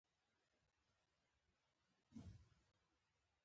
خپلې خبرې پیل کړې.